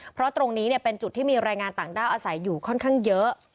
เพราะตรงนี้เป็นจุดที่มีรายงานต่างด้าวอาศัยอยู่ค่อนข้างเยอะ